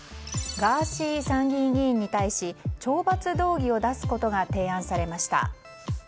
ガーシー参議院議員に対し懲罰動議を出すことが提案されました。